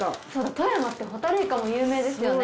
富山ってホタルイカも有名ですよね？